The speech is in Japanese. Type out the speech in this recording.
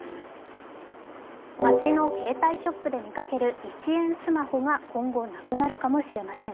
街の携帯ショップで見かける１円スマホが今後なくなるかもしれません。